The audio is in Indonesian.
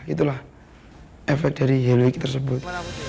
itulah efek dari helik tersebut